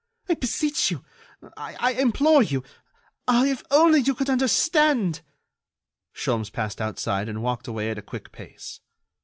"I beseech you ... I implore you.... Ah if you could only understand!" Sholmes passed outside and walked away at a quick pace.